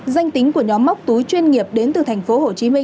danh tính của nhóm móc túi chuyên nghiệp đến từ tp hcm